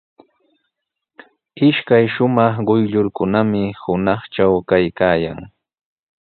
Ishkay shumaq quyllurkunami hunaqtraw kaykaayan.